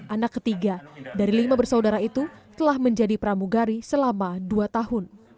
anak ketiga dari lima bersaudara itu telah menjadi pramugari selama dua tahun